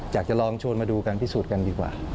อยากจะลองชวนมาดูการพิสูจน์กันดีกว่า